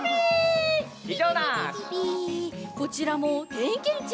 こちらもてんけんちゅうです。